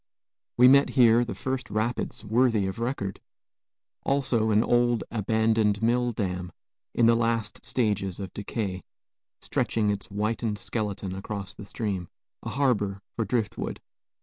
We met here the first rapids worthy of record; also an old, abandoned mill dam, in the last stages of decay, stretching its whitened skeleton across the stream, a harbor for driftwood.